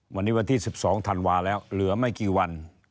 วันนี้วันที่๑๒ธันวาแล้วเหลือไม่กี่วัน